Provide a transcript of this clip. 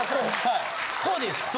こうでいいですか？